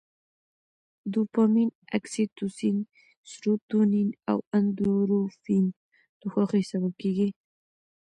دوپامین، اکسي توسین، سروتونین او اندورفین د خوښۍ سبب کېږي.